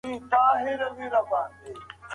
توماس د ښه کېدو هیله نه پرېښوده.